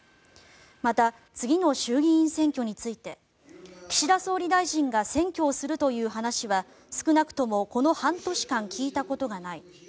また、次の衆議院選挙について岸田総理大臣が選挙をするという話は少なくともこの半年間聞いたことがない